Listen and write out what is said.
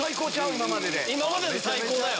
今までで最高だよ。